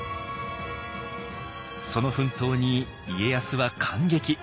その奮闘に家康は感激。